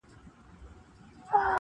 شیخ ته ورکوي شراب کشیش ته د زمزمو جام,